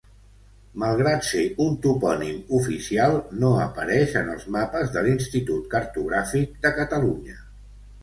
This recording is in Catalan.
Malgrat ser un topònim oficial, no apareix en els mapes de l'Institut Cartogràfic de Catalunya.